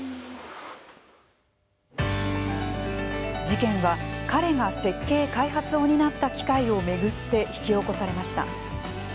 事件は彼が設計開発を担った機械を巡って引き起こされました。